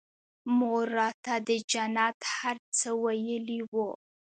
مور راته د جنت هر څه ويلي وو.